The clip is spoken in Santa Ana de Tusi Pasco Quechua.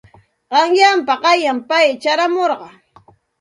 Qanyanpa qanyan pay chayamurqa.